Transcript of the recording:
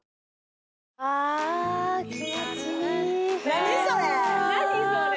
何それ？